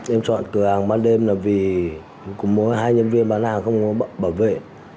em chọn cửa hàng ban đêm là vì cũng có hai nhân viên bán hàng không có bảo vệ